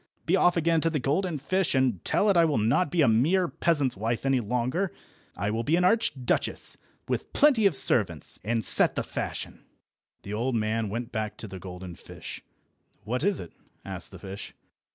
Be off again to the golden fish, and tell it I will not be a mere peasant's wife any longer. I will be an Archduchess, with plenty of servants, and set the fashion." The old man went to the golden fish. "What is it?" asked the fish.